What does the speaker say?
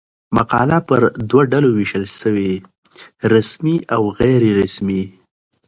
مقاله پر دوه ډولونو وېشل سوې؛ رسمي او غیري رسمي.